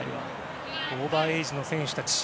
オーバーエージの選手たち。